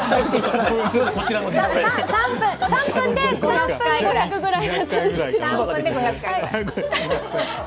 ３分で５００回ぐらい？